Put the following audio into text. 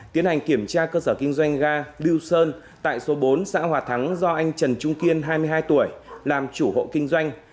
tiến hành kiểm tra cơ sở kinh doanh galue sơn tại số bốn xã hòa thắng do anh trần trung kiên hai mươi hai tuổi làm chủ hộ kinh doanh